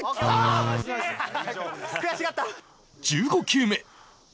１５球目